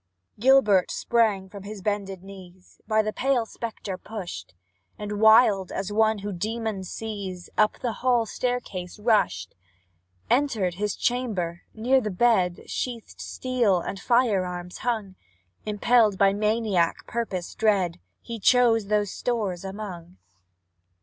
Gilbert sprang from his bended knees, By the pale spectre pushed, And, wild as one whom demons seize, Up the hall staircase rushed; Entered his chamber near the bed Sheathed steel and fire arms hung Impelled by maniac purpose dread He chose those stores among.